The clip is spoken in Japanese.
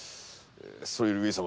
それより上様。